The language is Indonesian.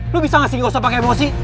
lu bisa gak sih gak usah pakai emosi